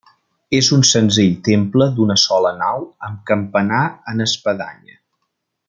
És un senzill temple d'una sola nau amb campanar en espadanya.